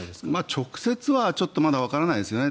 直接はちょっとまだわからないですよね。